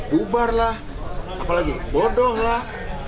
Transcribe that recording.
bubarlah apalagi bodohlah